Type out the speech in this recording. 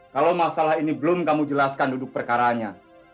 kalau masalah ini belum kamu jelaskan duduk perkaranya